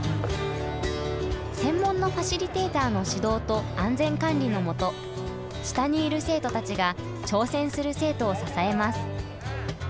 専門のファシリテーターの指導と安全管理のもと下にいる生徒たちが挑戦する生徒を支えます。